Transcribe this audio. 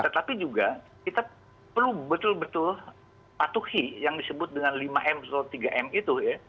tetapi juga kita perlu betul betul patuhi yang disebut dengan lima m atau tiga m itu ya